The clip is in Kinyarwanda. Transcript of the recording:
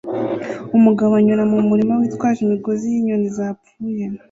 Umugabo anyura mu murima witwaje imigozi yinyoni zapfuye